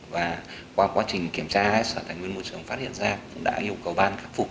và qua quá trình kiểm tra sở tài nguyên môi trường phát hiện ra cũng đã yêu cầu ban khắc phục